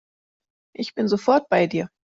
Ich bin sofort bei dir.